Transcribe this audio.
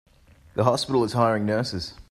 The hospital is hiring nurses.